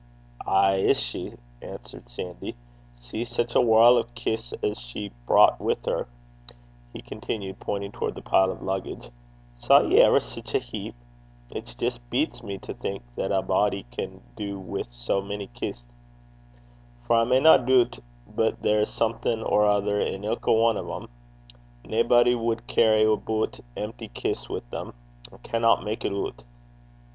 'Ay is she,' answered Sandy. 'See sic a warl' o' kists as she's brocht wi' her,' he continued, pointing towards the pile of luggage. 'Saw ye ever sic a bourach (heap)? It jist blecks (beats) me to think what ae body can du wi' sae mony kists. For I mayna doobt but there's something or ither in ilka ane o' them. Naebody wad carry aboot toom (empty) kists wi' them. I cannot mak' it oot.'